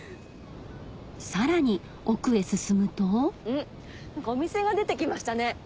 さらに奥へ進むと何かお店が出て来ましたね。